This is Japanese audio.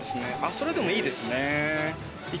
それでもいいですね。